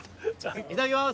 いただきます。